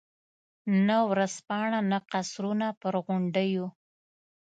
نه ورځپاڼه، نه قصرونه پر غونډیو.